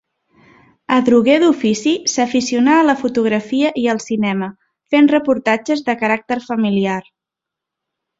Adroguer d'ofici, s'aficionà a la fotografia i al cinema fent reportatges de caràcter familiar.